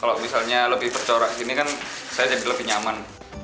kalau misalnya lebih percorak gini kan saya jadi lebih nyaman